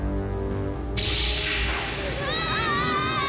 うわ！